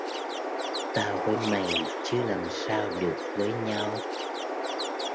Tao với mày chứ làm sao được với nhau